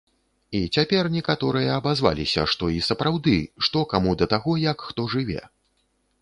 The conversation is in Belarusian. І цяпер некаторыя абазваліся, што і сапраўды, што каму да таго, як хто жыве?